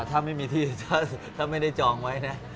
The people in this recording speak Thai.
ถ้าไม่มีที่ถ้าไม่ได้จองไว้นะ